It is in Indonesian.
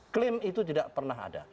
klaim itu tidak pernah ada